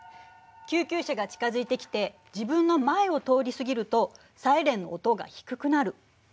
救急車が近づいてきて自分の前を通り過ぎるとサイレンの音が低くなる。